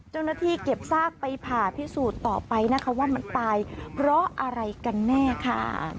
เจ้าหน้าที่เก็บซากไปผ่าพิสูจน์ต่อไปนะคะว่ามันตายเพราะอะไรกันแน่ค่ะ